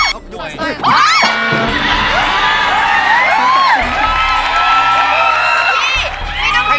แค่ได้มี